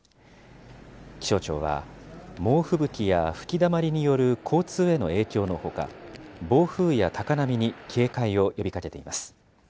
気象庁は、猛吹雪や吹きだまりによる交通への影響のほか、暴風や高波に警戒を呼びかけています。